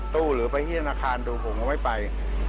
มันแปลกดี